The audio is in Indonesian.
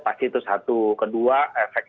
pasti itu satu kedua efek